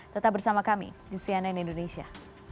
tetap bersama kami di cnn indonesia